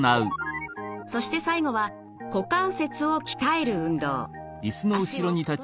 そして最後は股関節を鍛える運動。